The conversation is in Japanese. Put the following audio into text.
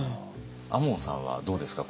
亞門さんはどうですか？